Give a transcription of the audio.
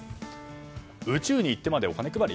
宇宙に行ってまでお金配り？